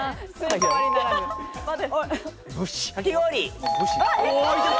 かき氷！